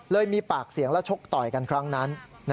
มีปากเสียงและชกต่อยกันครั้งนั้น